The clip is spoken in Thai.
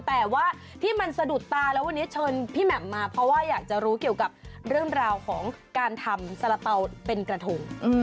แต่ว่าที่มันสะดุดตาแล้ววันนี้เชิญพี่แหม่มมาเพราะว่าอยากจะรู้เกี่ยวกับเรื่องราวของการทำสาระเป๋าเป็นกระทง